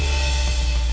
saya ingin tahu tujuan anda